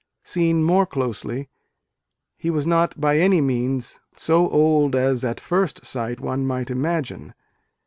Seen more closely, he was not by any means so old as at first sight one might imagine.